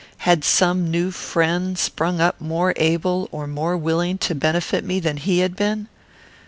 Had some new friend sprung up more able or more willing to benefit me than he had been?